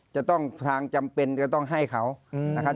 จะต้องทางจำเป็นจะต้องให้เขานะครับ